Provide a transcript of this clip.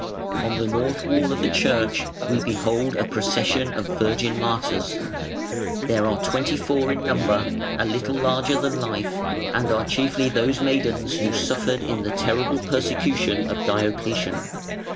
On the north wall of the church we behold a procession of Virgin Martyrs. They are twenty four in number, a little larger than life, and are chiefly those maidens who suffered in the terrible persecution of Diocletian.